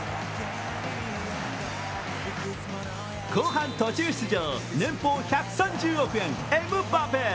後半途中出場、年俸１３０億円、エムバペ。